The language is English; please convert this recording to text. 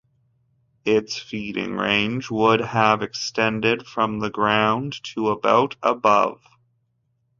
Its feeding range would have extended from the ground to about above.